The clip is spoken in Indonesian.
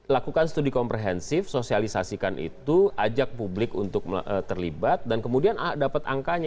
lakukan studi komprehensif sosialisasikan itu ajak publik untuk terlibat dan kemudian dapat angkanya